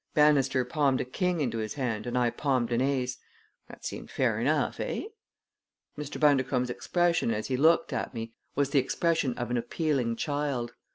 Bannister palmed a king into his hand and I palmed an ace. That seemed fair enough, eh?" Mr. Bundercombe's expression as he looked at me was the expression of an appealing child.